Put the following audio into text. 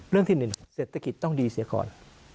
เรื่องที่หนึ่งเศรษฐกิจต้องดีเสียขอน